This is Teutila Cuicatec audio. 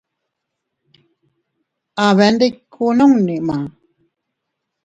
Abendikuu nunni maá.